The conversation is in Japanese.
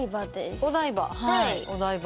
お台場？